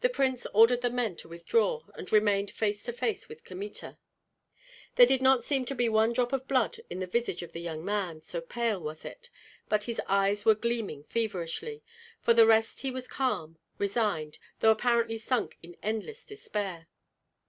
The prince ordered the men to withdraw, and remained face to face with Kmita. There did not seem to be one drop of blood in the visage of the young man, so pale was it, but his eyes were gleaming feverishly; for the rest he was calm, resigned, though apparently sunk in endless despair.